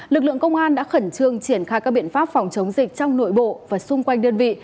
lực lượng công an đã khẩn trương triển khai các biện pháp phòng chống dịch trong nội bộ và xung quanh đơn vị